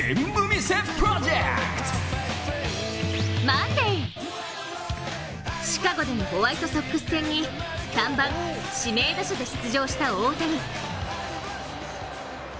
マンデー、シカゴでのホワイトソックス戦に３番・指名打者で出場した大谷。